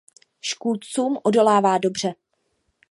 Škůdcům odolává dobře.